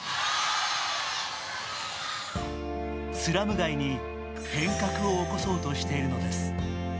スラム街に変革を起こそうとしているのです。